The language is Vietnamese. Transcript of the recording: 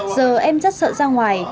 giờ em rất sợ ra ngoài